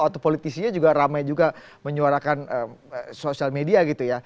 atau politisinya juga ramai juga menyuarakan sosial media gitu ya